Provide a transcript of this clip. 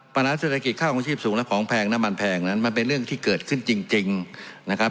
ปัญหาเศรษฐกิจค่าของชีพสูงและของแพงน้ำมันแพงนั้นมันเป็นเรื่องที่เกิดขึ้นจริงนะครับ